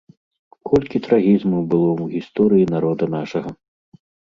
Колькі трагізму было ў гісторыі народа нашага!